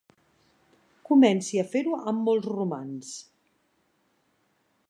Comenci a fer-ho amb molts romans.